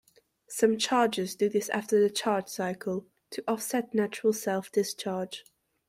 Some chargers do this after the charge cycle, to offset natural self-discharge.